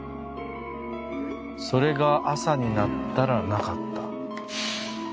それが朝になったらなかった。